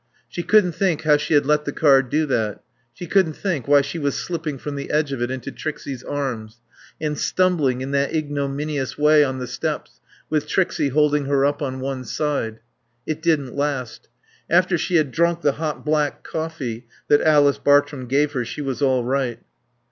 She couldn't think how she had let the car do that. She couldn't think why she was slipping from the edge of it into Trixie's arms. And stumbling in that ignominious way on the steps with Trixie holding her up on one side.... It didn't last. After she had drunk the hot black coffee that Alice Bartrum gave her she was all right.